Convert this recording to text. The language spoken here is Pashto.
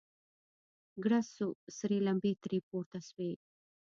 گړز سو سرې لمبې ترې پورته سوې.